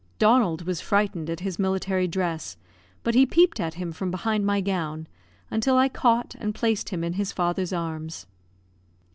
Donald was frightened at his military dress, but he peeped at him from behind my gown, until I caught and placed him in his father's arms.